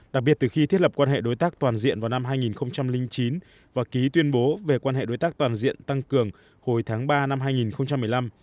đặc biệt từ khi thiết lập quan hệ đối tác toàn diện vào năm hai nghìn chín và ký tuyên bố về quan hệ đối tác toàn diện tăng cường hồi tháng ba năm hai nghìn một mươi năm